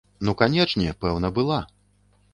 Ну канечне, пэўна, была!